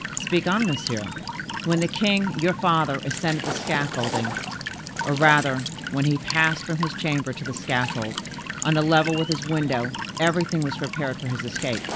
"Speak on, monsieur." "When the king your father ascended the scaffold, or rather when he passed from his chamber to the scaffold, on a level with his window, everything was prepared for his escape.